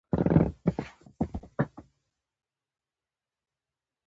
زه چې کله ورغلم هماغه شوله ډوله مغلوبه وه.